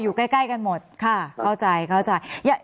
อ้ออยู่ใกล้กันหมดค่ะเข้าใจ